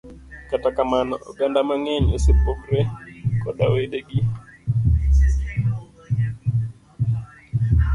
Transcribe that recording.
Kata kamano, oganda mang'eny, osepogre koda wedegi.